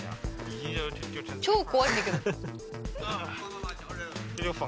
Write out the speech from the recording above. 超怖いんだけど。